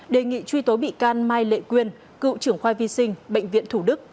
đề nghị truy tố bị can mai lệ quyên cựu trưởng khoai vi sinh bệnh viện thủ đức